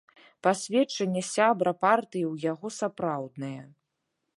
Пасведчанне сябра партыі ў яго сапраўднае.